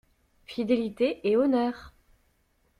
Fidélité et honneur